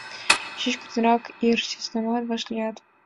Чӱчкыдынак ир сӧснамат вашлият.